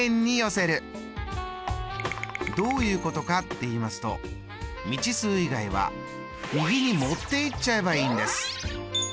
どういうことかっていいますと未知数以外は右に持っていっちゃえばいいんです！